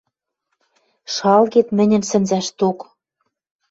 Шалгет мӹньӹн сӹнзӓшток.